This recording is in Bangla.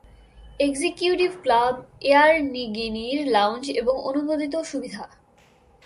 এক্সিকিউটিভ ক্লাব এয়ার নিগিনির লাউঞ্জ এবং অনুমোদিত সুবিধা।